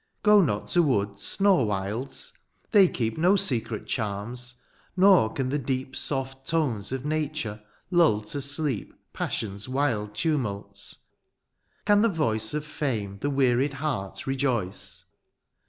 Go not to woods nor wilds ; they keep No secret charms^ nor can the deep Soft tones of nature lull to sleep Passion^s wild tumults. Can the voice Of fame the wearied heart rejoice